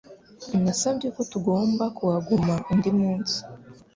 Nasabye ko tugomba kuhaguma undi munsi